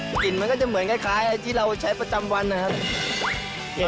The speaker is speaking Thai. กลิ่นมันก็จะเหมือนคล้ายอะไรที่เราใช้ประจำวันนะครับ